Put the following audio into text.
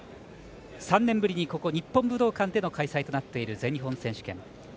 ３年ぶりに、ここ日本武道館での開催となっている全日本選手権。